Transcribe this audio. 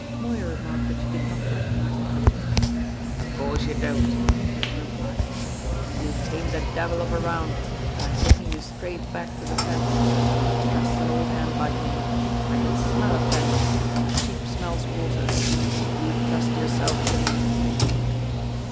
Moya remarked that she did not recognise the country. "Of course you don't," was the reply. "You came the devil of a round, but I'm taking you straight back to the fence. Trust an old hand like me; I can smell a fence as a sheep smells water. You trust yourself to me!"